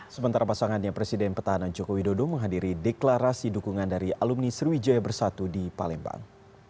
sementara pasangannya presiden petahana joko widodo menghadiri deklarasi dukungan dari alumni sriwijaya bersatu di palembang